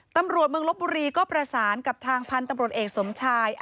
ตำรวจเมืองลบบุรีก็ประสานกับทางพันธุ์ตำรวจเอกสมชาย